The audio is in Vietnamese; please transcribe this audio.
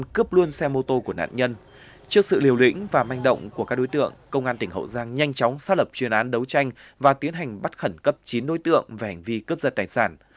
trước sự liều lĩnh và manh động của các đối tượng công an tỉnh hậu giang nhanh chóng xác lập chuyên án đấu tranh và tiến hành bắt khẩn cấp chín đối tượng về hành vi cướp giật tài sản